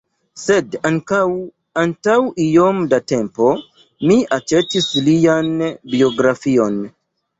Sed, ankaŭ, antaŭ iom da tempo, mi aĉetis lian biografion.